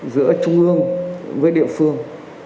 giữa trung ương với địa phương